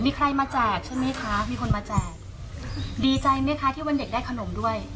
มีใครมาแจกใช่ไหมคะมีคนมาแจกดีใจไหมคะที่วันเด็กได้ขนมด้วย